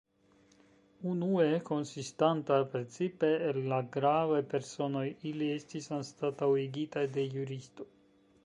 Unue konsistanta precipe el la gravaj personoj, ili estis anstataŭigitaj de juristoj.